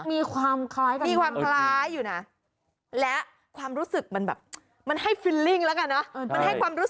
มีความคล้ายกันนะ